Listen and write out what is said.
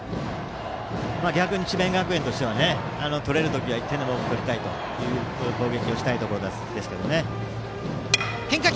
逆に智弁学園としては取れる時は１点でも多く取りたい攻撃をしたいです。